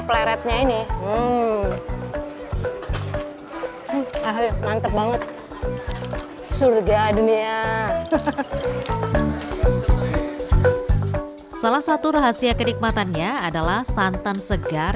pleretnya ini hmm mantep banget surga dunia salah satu rahasia kenikmatannya adalah santan segar